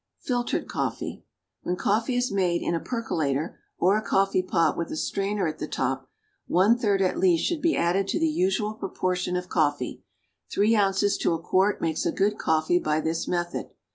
FILTERED COFFEE. When coffee is made in a percolator, or a coffee pot with a strainer at the top, one third at least should be added to the usual proportion of coffee; three ounces to a quart makes a good coffee by this method.